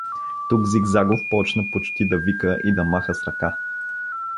Тук Зигзагов почна почти да вика и да маха с ръка.